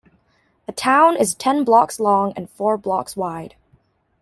The town is ten blocks long and four blocks wide.